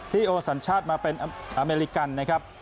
โอสัญชาติมาเป็นอเมริกันนะครับ